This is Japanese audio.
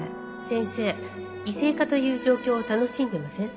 先生異性化という状況を楽しんでません？